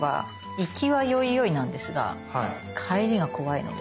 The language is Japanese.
行きはよいよいなんですが帰りが怖いので。